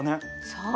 そう。